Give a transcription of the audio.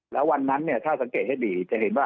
แล้ววันนั้นถ้าสังเกตให้ดี